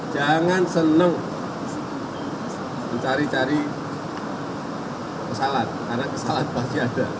jangan seneng mencari cari kesalahan karena kesalahan pasti ada